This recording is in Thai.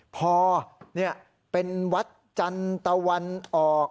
พอเป็นวัดจันทร์ตะวันออก